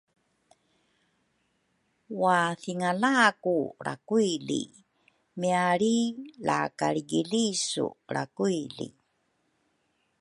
wathingalaku lrakuili, mialri la kalrikilisu lrakuili.